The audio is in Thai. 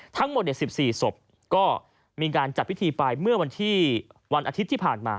ทั้งหมด๑๔ศพก็มีการจัดพิธีไปเมื่อวันอาทิตย์ที่ผ่านมา